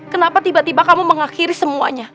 kenapa tiba tiba kamu mengakhiri semuanya